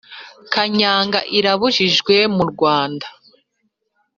kanyanga irabujijwe murwanda